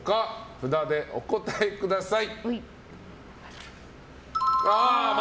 札でお答えください。